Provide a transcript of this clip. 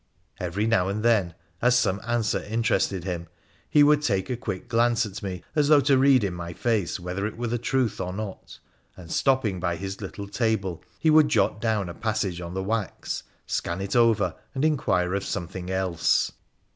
Every now and then, as some answer interested him, he would take a quick glance at me as though to read in my face whether it were the truth or not, and, stopping by his little table, he would jot down a passage on the wax, scan it over, and inquire of something else.